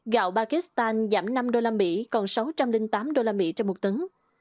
gạo pakistan giảm năm usd còn sáu trăm linh tám usd trong một tấn